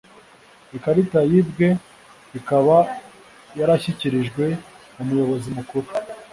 ikarita yibwe ikaba yarashyikirijwe umuyobozi mukuru.